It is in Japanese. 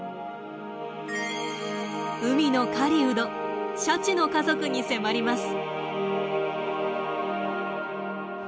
海の狩人シャチの家族に迫ります。